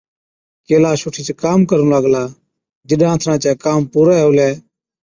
ڪيلاش اُٺِيچ ڪام ڪرُون لاگلا، جِڏ آنٿڻا چَي ڪام پُورَي هُلَي۔